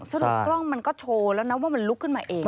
กล้องมันก็โชว์แล้วนะว่ามันลุกขึ้นมาเอง